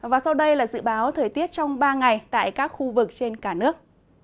và sau đây là dự báo thời tiết trong ba ngày tại các khu vực trên cả nước